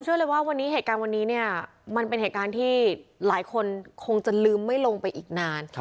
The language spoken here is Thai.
เชื่อเลยว่าวันนี้เหตุการณ์วันนี้เนี่ยมันเป็นเหตุการณ์ที่หลายคนคงจะลืมไม่ลงไปอีกนาน